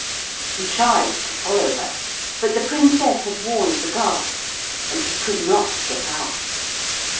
He tried to follow her. But the Princess had warned the guards, and he could not get out.